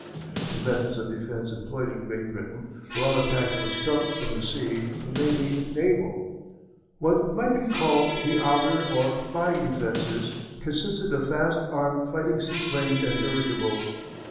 The methods of defence employed in Great Britain, where all attacks must come from the sea, were mainly naval. What might be called the outer, or flying, defences consisted of fast armed fighting seaplanes and dirigibles.